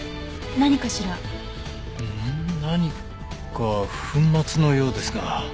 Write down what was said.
何か粉末のようですが。